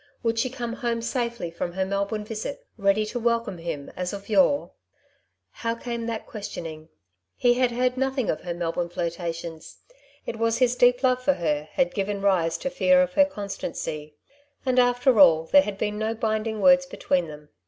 would she come home safely from her Melbourne visit, ready to welcome him as of yore ? How came that question ing ? he had heard nothing of her Melbourne flirta tions. It was his deep love for her had given rise to fear of her constancy; and after all there had been no binding words between them.